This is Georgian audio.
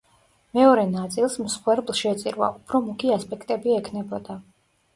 მეორე ნაწილს, „მსხვერპლშეწირვა“, უფრო მუქი ასპექტები ექნებოდა.